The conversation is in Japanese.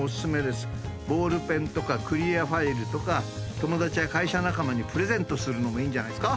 ボールペンとかクリアファイルとか友達や会社仲間にプレゼントするのもいいんじゃないですか？